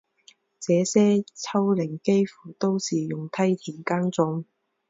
这些丘陵几乎都是用梯田耕种